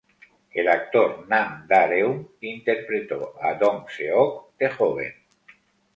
El actor Nam Da-reum interpretó a Dong-seok de joven.